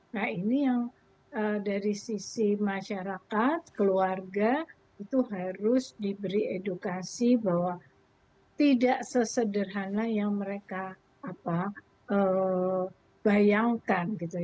nah ini yang dari sisi masyarakat keluarga itu harus diberi edukasi bahwa tidak sesederhana yang mereka bayangkan gitu